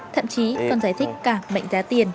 thậm chí còn giải thích cả mệnh giá tiền